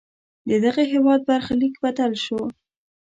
ددغه هېواد برخلیک بدل شو.